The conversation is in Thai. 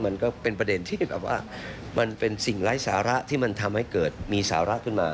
มันก็เป็นประเด็นที่แบบว่ามันเป็นสิ่งไร้สาระที่มันทำให้เกิดมีสาระขึ้นมา